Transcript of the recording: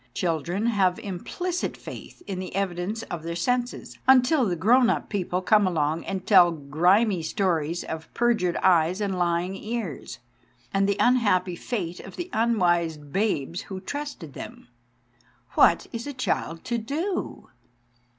Children have implicit faith in the evidence of their senses until the grown up people come along and tell grimy stories of perjured eyes and lying ears, and the unhappy fate of the unwise babes who trusted them. What is a child to do?